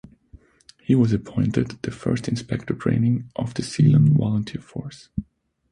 He was appointed the first Inspector Training of the Ceylon Volunteer Force.